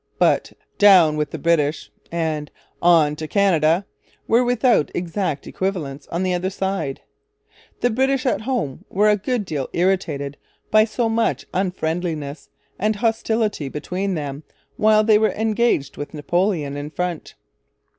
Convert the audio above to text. But 'Down with the British' and 'On to Canada' were without exact equivalents on the other side. The British at home were a good deal irritated by so much unfriendliness and hostility behind them while they were engaged with Napoleon in front.